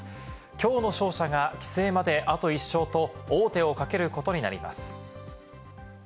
きょうの勝者が棋聖まであと１勝と王手をかけることになります。